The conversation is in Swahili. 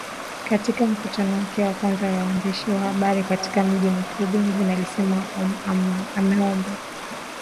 katika mkutano wake wa kwanza na waandishi wa habari katika mji mkuu Bangui alisema ameomba marekebisho kuhusu dhamira ya kikosi chetu